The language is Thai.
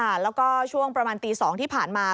แล้วก็ช่วงประมาณตี๒ที่ผ่านมา